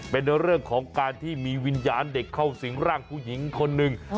เป็นเรื่องของการที่มีวิญญาณเด็กเข้าสิงร่างผู้หญิงคนหนึ่ง